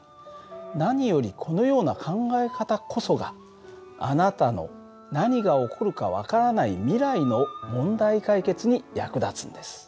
何よりこのような考え方こそがあなたの何が起こるか分からない未来の問題解決に役立つんです。